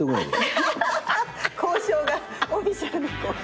交渉がオフィシャルな交渉。